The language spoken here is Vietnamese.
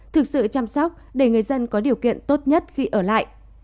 thực sự chăm sóc để người dân có điều kiện tốt nhất khi ở lại